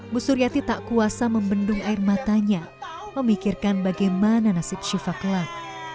bu suryati tak kuasa membendung air matanya memikirkan bagaimana nasib syifa kelak